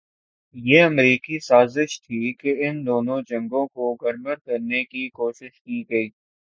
یہ امریکی سازش تھی کہ ان دونوں جنگوں کوگڈمڈ کرنے کی کوشش کی گئی۔